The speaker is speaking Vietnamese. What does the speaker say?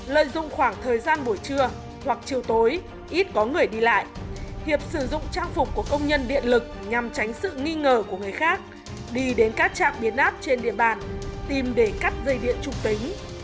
lợi dụng khoảng thời gian buổi trưa hoặc chiều tối ít có người đi lại hiệp sử dụng trang phục của công nhân điện lực nhằm tránh sự nghi ngờ của người khác đi đến các trạm biến áp trên địa bàn tìm để cắt dây điện trục tính